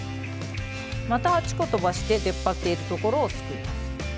また８個とばして出っ張っているところをすくいます。